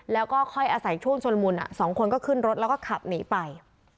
แล้วก็ค่อยอาศัยช่วงชนละมุน๒คนก็ขึ้นรถแล้วก็ขับหนีไป